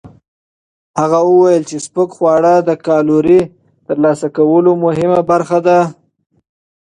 هغه وویل چې سپک خواړه د کالورۍ ترلاسه کولو مهمه برخه ده.